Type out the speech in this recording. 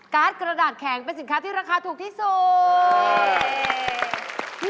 กระดาษแข็งเป็นสินค้าที่ราคาถูกที่สุด